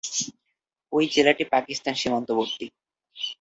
এই জেলাটি পাকিস্তান সীমান্তবর্তী।